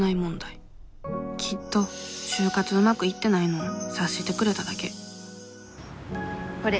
きっと就活うまくいってないのを察してくれただけこれ。